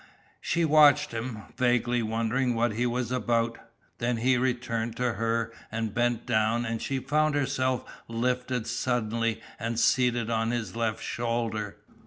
She watched him, vaguely wondering what he was about, then he returned to her and bent down and she found herself lifted suddenly and seated on his left shoulder.